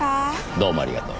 どうもありがとう。